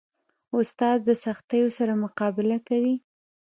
استاد د سختیو سره مقابله کوي.